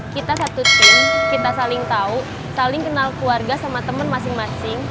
kita satu tim kita saling tahu saling kenal keluarga sama teman masing masing